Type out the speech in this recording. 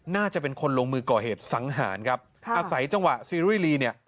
น่าจะเป็นคนลงมือก่อเหตุสังหารครับค่ะอาศัยจังหวะซีรีเนี่ย